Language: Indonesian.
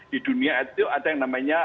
di dunia itu ada yang namanya